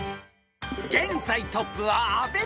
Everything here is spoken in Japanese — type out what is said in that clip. ［現在トップは阿部ペア］